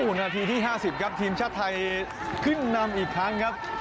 นาทีที่๕๐ครับทีมชาติไทยขึ้นนำอีกครั้งครับ